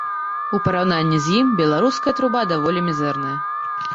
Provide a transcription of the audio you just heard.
У параўнанні з ім беларуская труба даволі мізэрная.